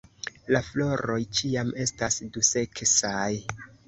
La floroj ĉiam estas duseksaj.